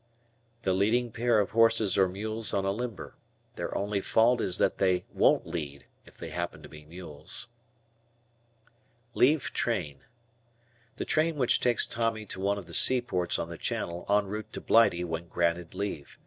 The leading pair of horses or mules on a limber. Their only fault is that they won't lead (if they happen to be mules). Leave Train. The train which takes Tommy to one of the seaports on the Channel en route to Blighty when granted leave.